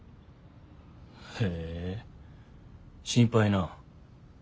へえ心配なぁ。